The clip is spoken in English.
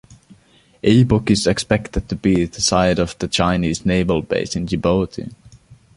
Obock is expected to be the site of the Chinese naval base in Djibouti.